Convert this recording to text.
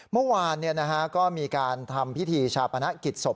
เมื่อวานก็มีการทำพิธีชาปนกิจศพ